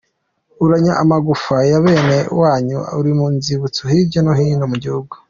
Urarya amagufa ya bene wanyu ari mu nzibutso hirya no hino mu gihugu.